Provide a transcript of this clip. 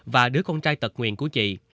và đứa con trai tật nguyền của chị